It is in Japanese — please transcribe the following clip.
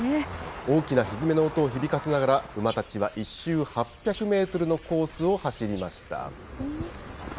大きなひづめの音を響かせながら、馬たちは１周８００メートルのコースを走りました。